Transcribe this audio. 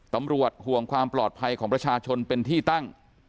ตำรวจห่วงความปลอดภัยของประชาชนเป็นที่ตั้ง